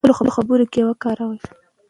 په خپلو خبرو کې یې وکاروو.